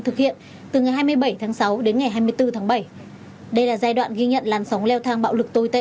thực hiện từ ngày hai mươi bảy tháng sáu đến ngày hai mươi bốn tháng bảy đây là giai đoạn ghi nhận làn sóng leo thang bạo lực tồi tệ